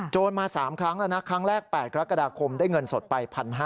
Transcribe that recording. มา๓ครั้งแล้วนะครั้งแรก๘กรกฎาคมได้เงินสดไป๑๕๐๐